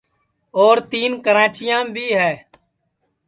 اور تین کراچیام بھی ہے